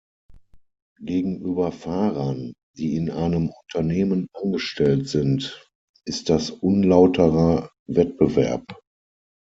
Gegenüber Fahrern, die in einem Unternehmen angestellt sind, ist das unlauterer Wettbewerb.